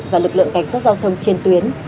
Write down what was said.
và lực lượng cảnh sát giao thông trên tuyến